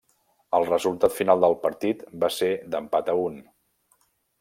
El resultat final del partit va ser d'empat a un.